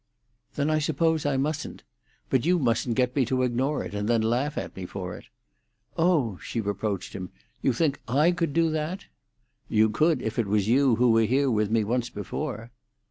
"Then I suppose I mustn't. But you mustn't get me to ignore it, and then laugh at me for it." "Oh!" she reproached him, "you think I could do that?" "You could if it was you who were here with me once before."